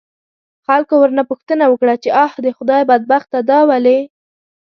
خلکو ورنه پوښتنه وکړه، چې آ د خدای بدبخته دا ولې؟